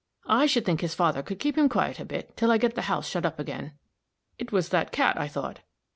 I should think his father could keep him quiet a bit, till I get the house shut up again." "It was that cat, I thought."